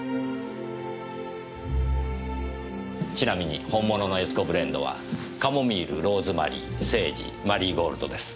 ちなみに本物の悦子ブレンドはカモミールローズマリーセージマリーゴールドです。